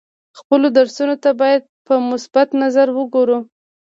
خپلو درسونو ته باید په مثبت نظر وګورو.